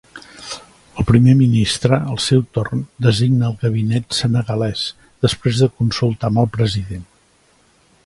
El primer ministre, al seu torn, designa el gabinet senegalès, després de consultar amb el president.